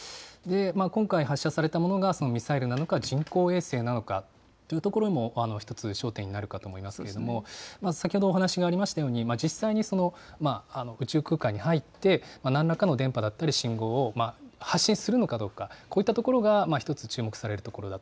今回発射されたものが、ミサイルなのか人工衛星なのかというところも一つ焦点になるかと思いますけれども、先ほどお話がありましたように、実際に宇宙空間に入って、なんらかの電波だったり信号を発信するのかどうか、こういったところが一つ注目されるところだと。